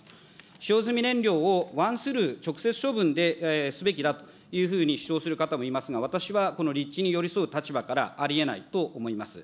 使用済み燃料をワンスルー、直接処分ですべきだというふうに主張する方もいますが、私はこの立地に寄り添う立場からありえないと思います。